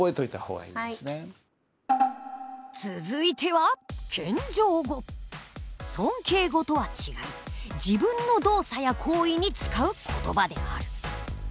続いては尊敬語とは違い自分の動作や行為に使う言葉である。